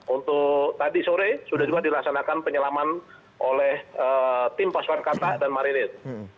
untuk tadi sore sudah juga dilaksanakan penyelaman oleh tim pasukan kata dan marinir